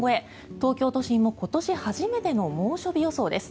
東京都心も今年初めての猛暑日予想です。